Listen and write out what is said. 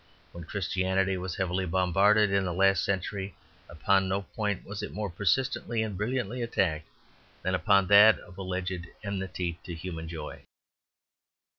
When Christianity was heavily bombarded in the last century upon no point was it more persistently and brilliantly attacked than upon that of its alleged enmity to human joy.